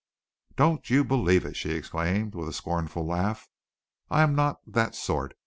"Don't you believe it!" she exclaimed, with a scornful laugh. "I am not that sort.